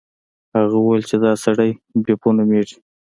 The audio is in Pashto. هغه وویل چې دا سړی بیپو نومیږي.